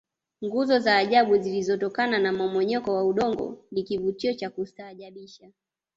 nguzo za ajabu zilizotokana na mmomonyoko wa udongo ni kivutio cha kustaajabisha